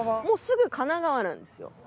もうすぐ神奈川なんですよ。